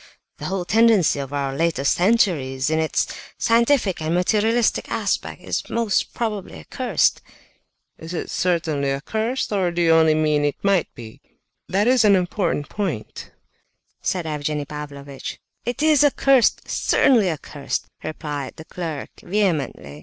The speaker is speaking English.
The whole tendency of our latest centuries, in its scientific and materialistic aspect, is most probably accursed." "Is it certainly accursed?... or do you only mean it might be? That is an important point," said Evgenie Pavlovitch. "It is accursed, certainly accursed!" replied the clerk, vehemently.